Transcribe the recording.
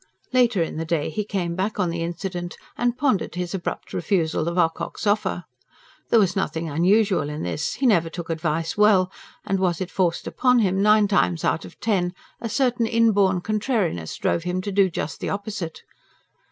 Later in the day he came back on the incident, and pondered his abrupt refusal of Ocock's offer. There was nothing unusual in this: he never took advice well; and, was it forced upon him, nine times out of ten a certain inborn contrariness drove him to do just the opposite.